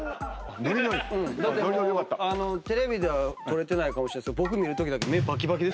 だってもうテレビでは撮れてないかもしれないけど。